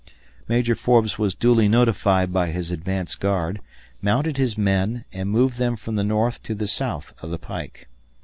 Major Forbes was duly notified by his advance guard, mounted his men, and moved them from the north to the south of the pike.